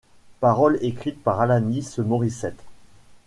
Paroles écrites par Alanis Morissette.